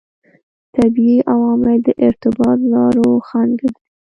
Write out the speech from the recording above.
طبیعي عوامل د ارتباط لارو خنډ ګرځي.